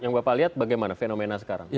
yang bapak lihat bagaimana fenomena sekarang